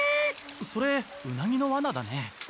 それウナギのワナだね。